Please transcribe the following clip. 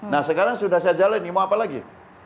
nah sekarang sudah saya jalan nih mau apa lagi